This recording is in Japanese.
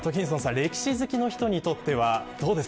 歴史好きの人にとってはどうですか。